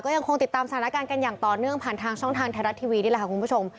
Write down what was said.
ยังคงติดตามสถานการณ์กันอย่างต่อเนื่องผ่านทางช่องทางไทยรัฐทีวีนี่แหละค่ะคุณผู้ชม